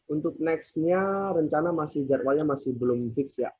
untuk nextnya rencana masih jadwalnya masih belum fix ya